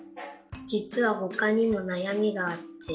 じつはほかにもなやみがあって。